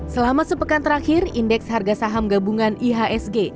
selama sepekan terakhir indeks harga saham gabungan ihsg